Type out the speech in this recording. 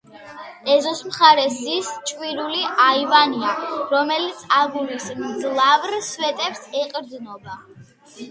ეზოს მხარეს ზის ჭვირული აივანია, რომელიც აგურის მძლავრ სვეტებს ეყრდნობა.